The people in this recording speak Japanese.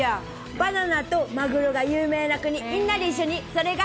バナナとマグロが有名な国、みんなで一緒に、それが。